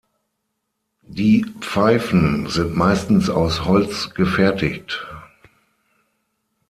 Die Pfeifen sind meistens aus Holz gefertigt.